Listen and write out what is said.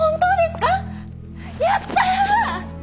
やった！